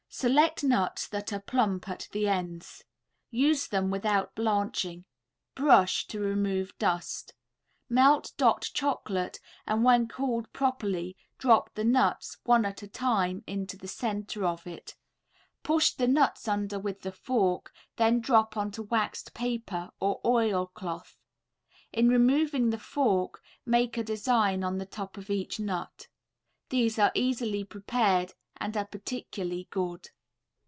] Select nuts that are plump at the ends. Use them without blanching. Brush, to remove dust. Melt "Dot" Chocolate and when cooled properly drop the nuts, one at a time, into the center of it; push the nuts under with the fork, then drop onto waxed paper or oil cloth. In removing the fork make a design on the top of each nut. These are easily prepared and are particularly good.